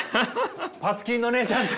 パツキンのおねえちゃんと。